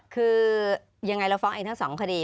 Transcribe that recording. คือยังไงเราฟ้องเองทั้งสองคดี